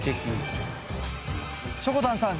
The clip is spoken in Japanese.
しょこたんさん